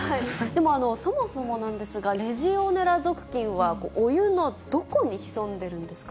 でもそもそもなんですが、レジオネラ属菌は、お湯のどこに潜んでいるんですか。